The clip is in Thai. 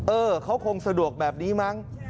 เออเขาคงสะดวกแบบนี้มั้ง